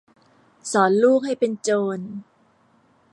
สอนลูกให้เป็นโจร